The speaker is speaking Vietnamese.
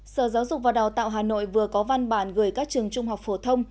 sở giáo dục và đào tạo hà nội vừa có văn bản gửi các trường trung học phổ thông